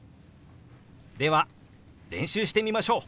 では練習してみましょう！